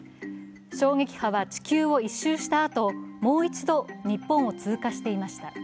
衝撃波は地球を１周したあともう一度、日本を通過していました。